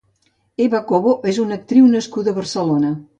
Eva Cobo és una actriu nascuda a Barcelona.